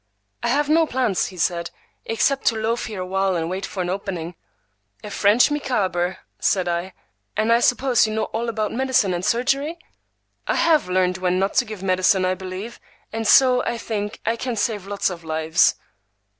"I have no plans," he said, "except to loaf here awhile and wait for an opening." "A French Micawber," said I. "And I suppose you know all about medicine and surgery?" "I have learned when not to give medicine, I believe, and so, I think, I can save lots of lives."